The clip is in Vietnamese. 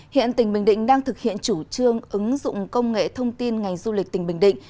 hiện tỉnh bình định đang thực hiện chủ trương ứng dụng công nghệ thông tin ngành du lịch tỉnh bình định